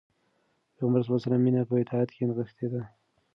د پيغمبر ﷺ مینه په اطاعت کې نغښتې ده.